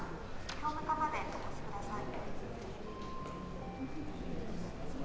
教務課までお越しください